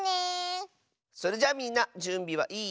それじゃみんなじゅんびはいい？